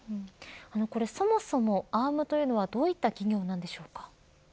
そもそもアームというのはどういった企業なんでしょうか。